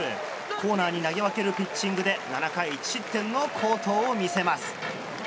コーナーに投げ分けるピッチングで７回１失点の好投を見せます。